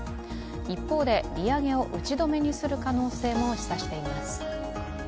一方で利上げを打ち止めにする可能性も示唆しています。